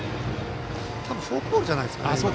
多分、フォークボールじゃないですかね。